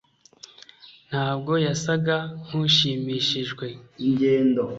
ntabwo yasaga nkushimishijwe